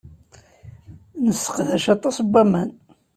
Nesseqdac aṭas n waman.